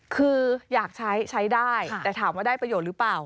คืออยากใช้ใช้ได้แต่ถามว่าได้ประโยชน์หรือเปล่า